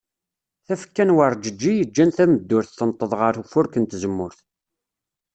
Tafekka n werǧeǧǧi yeǧǧan tameddurt tenteḍ ɣer ufurek n tzemmurt.